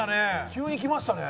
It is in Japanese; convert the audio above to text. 急にきましたね。